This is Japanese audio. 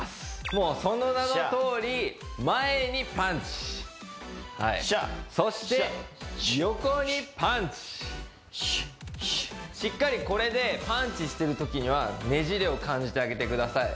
もうその名のとおり前にパンチはいそして横にパンチシュッシュッしっかりこれでパンチしてるときにはねじれを感じてあげてください